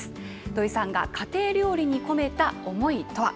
土井さんが家庭料理に込めた思いとは。